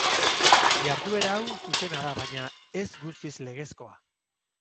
Jarduera hau zuzena da, baina ez guztiz legezkoa.